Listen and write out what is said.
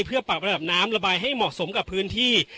เพื่อปรับระดับน้ำระบายให้เหมาะสมกับพื้นที่